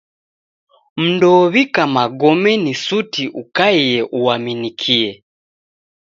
Mndu ow'ika magome ni suti ukaie uaminikie.